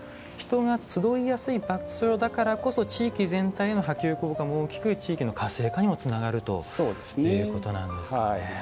人が集いやすい場所だからこそ地域全体への波及効果も大きく地域の活性化にもつながるということなんですかね。